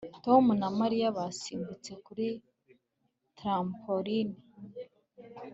Tom na Mariya basimbutse kuri trampoline